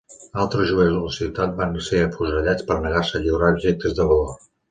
Altres jueus de la ciutat van ser afusellats per negar-se a lliurar objectes de valor.